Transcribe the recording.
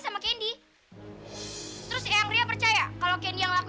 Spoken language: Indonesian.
menutup hari yang lelah